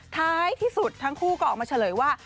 ท้ายที่สุดทั้งคู่ก็ออกมาเฉลยว่า